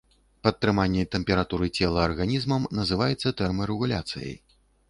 Падтрыманне тэмпературы цела арганізмам называецца тэрмарэгуляцыяй.